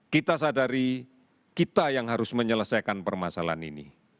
kita sadari kita yang harus menyelesaikan permasalahan ini